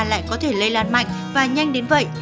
lại có thể lây lan mạnh và nhanh đến vậy